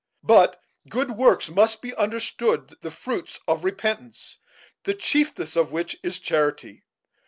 By good works must be understood the fruits of repentance, the chiefest of which is charity.